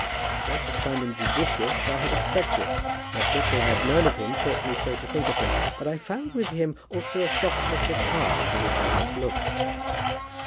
That I should find him judicious I had expected. What little I have known of him taught me so to think of him. But I found with him also a softness of heart for which I had not looked."